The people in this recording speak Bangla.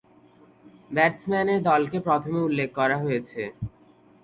ব্যাটসম্যানের দলকে প্রথমে উল্লেখ করা হয়েছে।